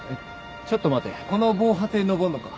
ちょっと待てこの防波堤登んのか？